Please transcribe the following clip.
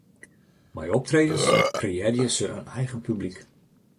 Mei optredens kreëarje se in eigen publyk.